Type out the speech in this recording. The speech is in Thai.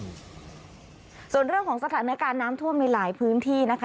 ส่วนเรื่องของสถานการณ์น้ำท่วมในหลายพื้นที่นะคะ